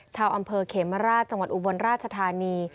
ชาวอำเภอเขมราชจังหวัดอุบลราชธานี